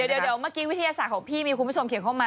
เดี๋ยวเมื่อกี้วิทยาศาสตร์ของพี่มีคุณผู้ชมเขียนเข้ามา